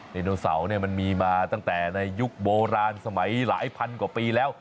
ไดโนเสาร์เนี่ยมันมีมาตั้งแต่ในยุคโบราณสมัยหลายพันกว่าปีแล้ว